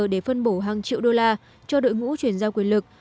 để phân bổ hàng triệu đô la cho đội ngũ chuyển giao quyền lực